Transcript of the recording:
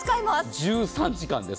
１３時間です。